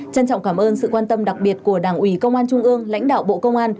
trân trọng cảm ơn sự quan tâm đặc biệt của đảng ủy công an trung ương lãnh đạo bộ công an